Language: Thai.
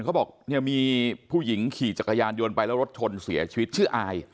เธอบอกมีผู้ยิงขี่จักรยานโยนไปแล้วรถชนเสียชีวิตชื่ออาย